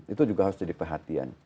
itu juga harus jadi perhatian